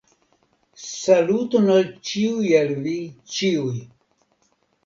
Saluton al ĉiuj el vi ĉiuj!